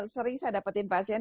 sering saya dapatin pasien